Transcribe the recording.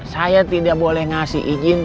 saya tidak boleh ngasih izin